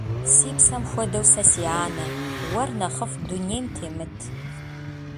Си псэм хуэдэу сэ си анэ, уэр нэхъыфӀ дунейм темыт.